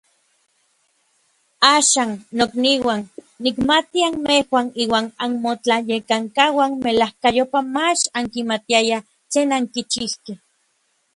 Axan, nokniuan, nikmati anmejuan inuan anmotlayekankauan melajkayopaj mach ankimatiayaj tlen ankichijkej.